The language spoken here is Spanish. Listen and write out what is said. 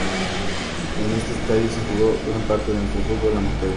En este estadio se jugó gran parte de nuestro fútbol "amateur".